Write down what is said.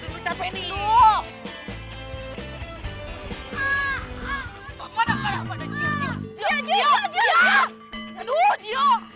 mau yang penting lu capek nih